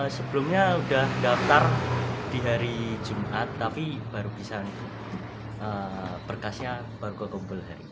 sebelumnya udah daftar di hari jumat tapi baru bisa berkasnya baru gue kumpul hari ini